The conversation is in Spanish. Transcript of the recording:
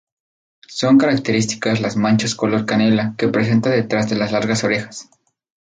Son características las manchas color canela que presenta detrás de las largas orejas.